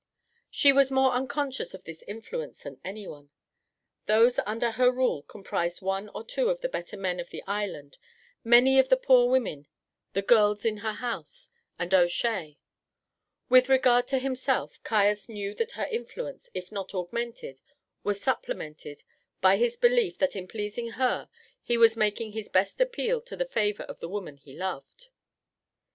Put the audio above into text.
She was more unconscious of this influence than anyone. Those under her rule comprised one or two of the better men of the island, many of the poor women, the girls in her house, and O'Shea. With regard to himself, Caius knew that her influence, if not augmented, was supplemented, by his belief that in pleasing her he was making his best appeal to the favour of the woman he loved.